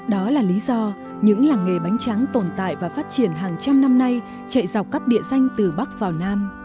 đó là lý do những làng nghề bánh tráng tồn tại và phát triển hàng trăm năm nay chạy dọc các địa danh từ bắc vào nam